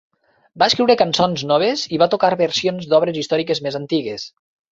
Va escriure cançons noves i va tocar versions d'obres històriques més antigues.